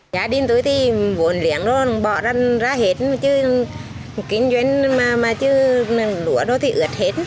nhà đình tôi thì vốn liếng rồi bỏ ra hết kinh doanh mà chứ lũ lụt thì ướt hết